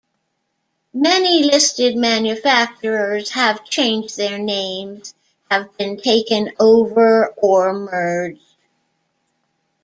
Many listed manufacturers have changed their names, have been taken over or merged.